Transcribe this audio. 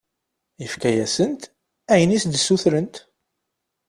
Yefka-asent ayen i as-d-ssutrent.